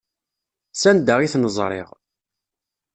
S anda i ten-ẓṛiɣ.